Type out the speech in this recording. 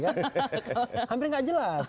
hampir tidak jelas